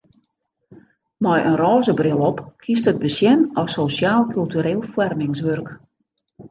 Mei in rôze bril op kinst it besjen as sosjaal-kultureel foarmingswurk.